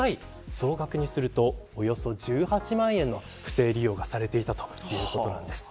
総額にするとおよそ１８万円の不正利用がされていたということです。